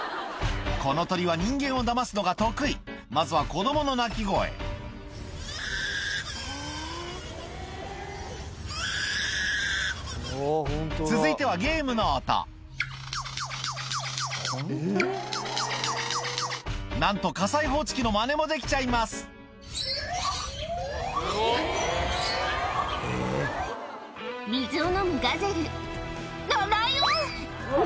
この鳥は人間をダマすのが得意まずは子供の泣き声続いてはゲームの音なんと火災報知器のマネもできちゃいます水を飲むガゼルラライオン！